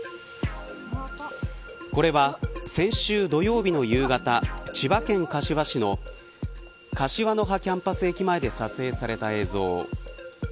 これは、先週土曜日の夕方千葉県柏市の柏の葉キャンパス駅前で撮影された映像。